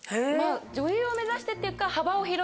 女優を目指してっていうか。